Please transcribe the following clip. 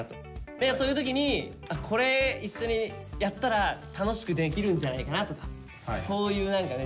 そういう時にこれ一緒にやったら楽しくできるんじゃないかなとかそういう何かね